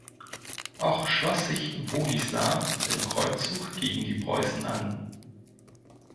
Auch schloss sich Bogislaw dem Kreuzzug gegen die Preußen an.